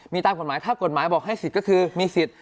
มีตามกฎหมายถ้ากฎหมายบอกให้สิทธิ์ก็คือมีสิทธิ์